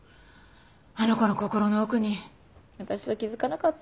あの子の心の奥に私は気づかなかった。